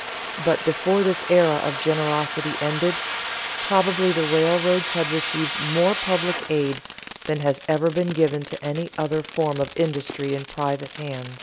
But before this era of generosity ended, probably the railroads had received more public aid than has ever been given to any other form of industry in private hands.